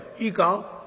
いいか？